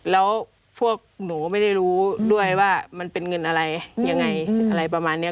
แล้วพวกหนูไม่ได้รู้ด้วยว่ามันเป็นเงินอะไรยังไงอะไรประมาณนี้